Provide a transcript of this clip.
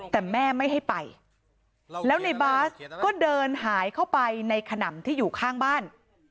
แต่แม่ไม่ให้ไปแล้วในบาสก็เดินหายเข้าไปในขนำที่อยู่ข้างบ้าน